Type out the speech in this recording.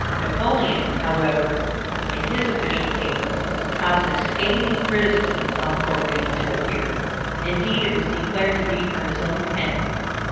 Napoleon, however, in his official paper, caused a scathing criticism on Corinne to appear; indeed, it was declared to be from his own pen.